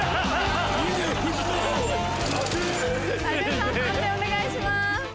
判定お願いします。